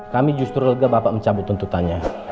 kami justru lega bapak mencabut tuntutannya